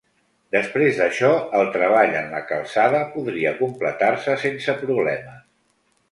Després d'això, el treball en la calçada podria completar-se sense problemes.